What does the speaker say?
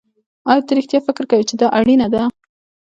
ایا ته رښتیا فکر کوې چې دا اړینه ده